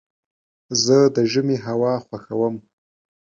زه د ژمي هوا خوښوم.